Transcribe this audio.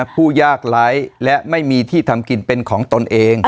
ผู้ยากไร้และไม่มีที่ทำกินเป็นของตนเอง